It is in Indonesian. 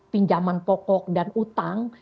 pinjaman pokok dan utang